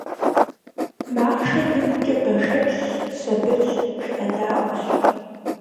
Махъшэр икъукӀэ бэшэчщ, сабырщ, жыӀэдаӀуэщ.